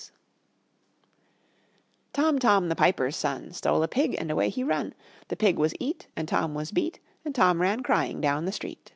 Tom, Tom, the piper's son, Stole a pig, and away he run; The pig was eat, And Tom was beat, And Tom ran crying down the street.